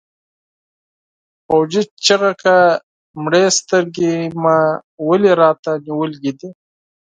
پوځي چیغه کړه مړې سترګې مو ولې راته نیولې دي؟